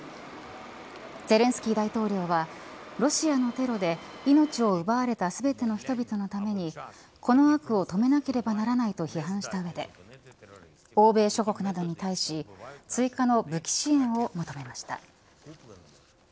ゼレンスキー大統領はロシアのテロで命を奪われた全ての人々のためにこの悪を止めなければならないと批判した上で欧米諸国などに対し、追加の武器支援を求めました。